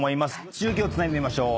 中継をつないでみましょう。